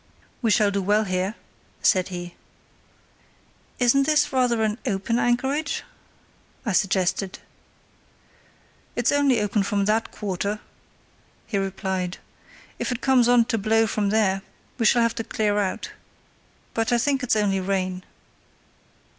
"We shall do well here," said he. "Isn't this rather an open anchorage?" I suggested. "It's only open from that quarter," he replied. "If it comes on to blow from there we shall have to clear out; but I think it's only rain.